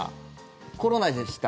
コロナでした。